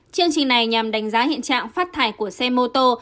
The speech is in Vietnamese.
chương trình này nhằm đánh giá hiện trạng phát thải của xe mô tô